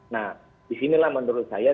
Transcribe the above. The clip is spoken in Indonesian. nah disinilah menurut saya